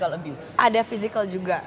ada perbuatan fisik juga